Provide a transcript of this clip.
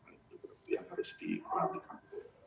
itu yang harus diperhatikan gitu ya